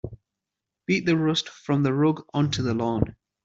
Beat the dust from the rug onto the lawn.